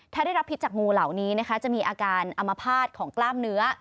ถ้าได้รับพิษจากงูเหล่านี้นะคะจะมีอาการอมภาษณ์ของกล้ามเนื้อ